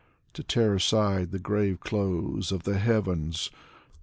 To tear aside the graveclothes of the heavens.